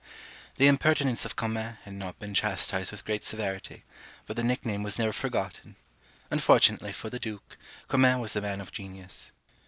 The impertinence of Comines had not been chastised with great severity; but the nickname was never forgiven: unfortunately for the duke, Comines was a man of genius.